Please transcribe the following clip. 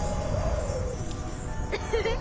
ウフフッ！